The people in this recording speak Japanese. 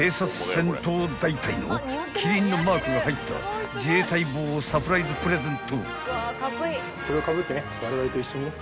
戦闘大隊の麒麟のマークが入った自衛隊帽をサプライズプレゼント］